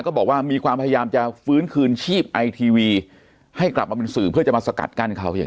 บอกว่ามีความพยายามจะฟื้นคืนชีพไอทีวีให้กลับมาเป็นสื่อเพื่อจะมาสกัดกั้นเขาอย่างนี้